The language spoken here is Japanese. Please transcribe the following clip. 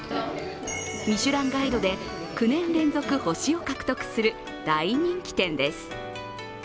ミシュランガイドで９年連続、星を獲得する大人気店です。